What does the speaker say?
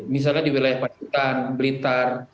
misalnya di wilayah pak jutan blitar